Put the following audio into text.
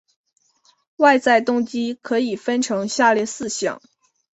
外在动机可以分成下列四项